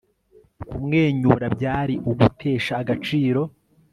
Kumwenyura byari ugutesha agaciro